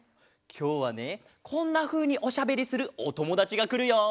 きょうはねこんなふうにおしゃべりするおともだちがくるよ！